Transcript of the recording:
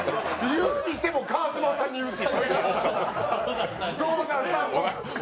言うにしても、川島さんに言うし！